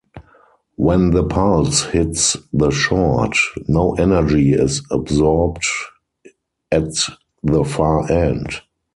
When the pulse hits the short, no energy is absorbed at the far end.